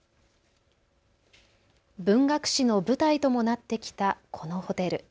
文学史の舞台ともなってきたこのホテル。